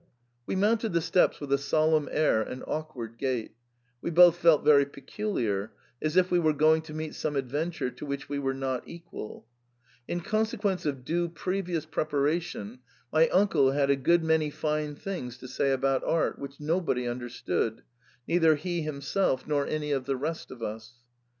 "We mounted the steps with a solemn air and awk ward gait ; we both felt very peculiar, as if we were going to meet some adventure to which we were not equal In consequence of due previous preparatioij my uncle had a good many fine things to say about art, which nobody understood, neither he himself nor any of the rest of us.